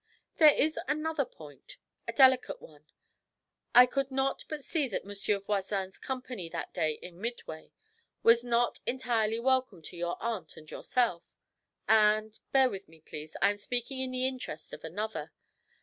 'There is another point a delicate one. I could not but see that Monsieur Voisin's company that day in Midway was not entirely welcome to your aunt and yourself; and bear with me, please, I am speaking in the interest of another.